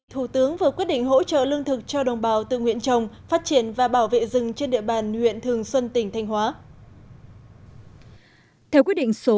thủ tướng vừa quyết định hỗ trợ lương thực cho đồng bào tự nguyện trồng phát triển và bảo vệ rừng trên địa bàn huyện thường xuân tỉnh thanh hóa